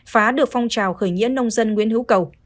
phá được phong trào khởi nghĩa nông dân nguyễn hữu cầu